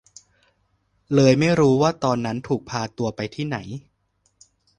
เลยไม่รู้ว่าตอนนั้นถูกพาตัวไปที่ไหน